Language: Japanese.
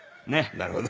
なるほど。